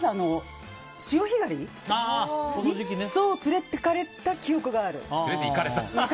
潮干狩りに連れていかれた記憶がある。